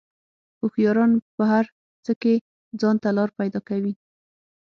هوښیاران په هر څه کې ځان ته لار پیدا کوي.